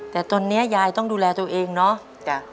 แต่ตอนนี้ยายต้องดูแลตัวเองเนาะ